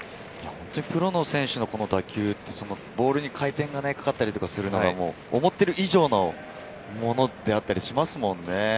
プロの選手の打球はボールに回転がかかったりするのが、思っている以上のものであったりしますもんね。